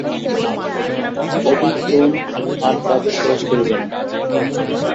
Eau de cologne আর বাজে খরচ করিবেন না।